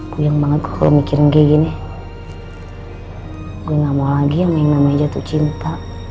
gue yang banget mikirin kayak gini gue gak mau lagi yang mainin namanya jatuh cinta